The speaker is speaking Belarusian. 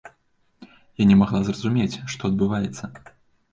Я не магла зразумець, што адбываецца.